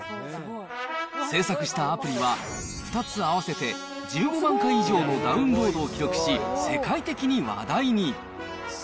制作したアプリは、２つ合わせて１５万回以上のダウンロードを記録し、世界的に話題に。